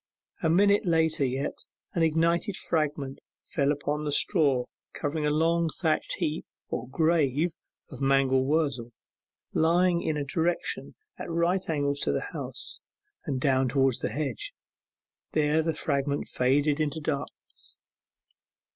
A minute later yet, an ignited fragment fell upon the straw covering of a long thatched heap or 'grave' of mangel wurzel, lying in a direction at right angles to the house, and down toward the hedge. There the fragment faded to darkness.